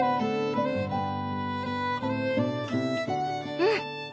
うん。